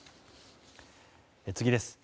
次です。